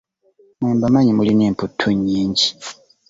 Mmwe mbamanyi mulina emputtu nnyingi.